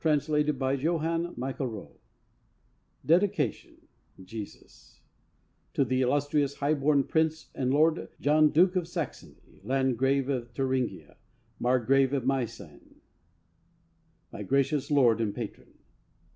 TREATISE ON GOOD WORKS 1520 DEDICATION JESUS To the Illustrious, High born Prince and Lord, John Duke of Saxony, Landgrave of Thuringia, Margrave of Meissen, my gracious Lord and Patron.